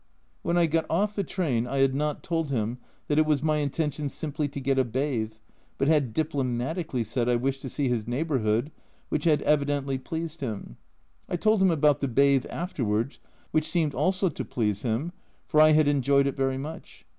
When I got off the train I had not told him that it was my intention simply to get a bathe, but had diplomatically said I wished to see his neighbour hood, which had evidently pleased him. I told him about the bathe afterwards, which seemed also to please him, for I had enjoyed it very much.